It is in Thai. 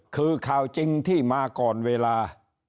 คือข่าวจริงที่มาก่อนเวลา